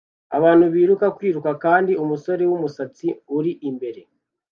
Abantu biruka kwiruka kandi umusore wumusatsi uri imbere